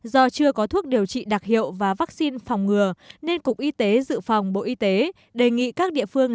do chưa có thuốc điều trị đặc hiệu và vaccine phòng ngừa nên cục y tế dự phòng bộ y tế đề nghị các địa phương